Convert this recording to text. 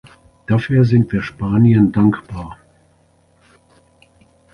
Dafür sind wir Spanien dankbar.